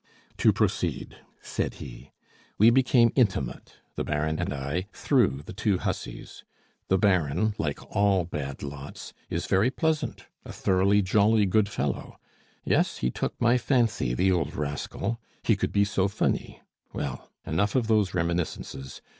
"To proceed," said he. "We became intimate, the Baron and I, through the two hussies. The Baron, like all bad lots, is very pleasant, a thoroughly jolly good fellow. Yes, he took my fancy, the old rascal. He could be so funny! Well, enough of those reminiscences.